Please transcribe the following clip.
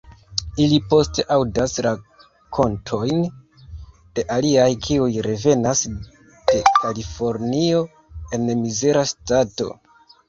Ili poste aŭdas rakontojn de aliaj kiuj revenas de Kalifornio en mizera stato.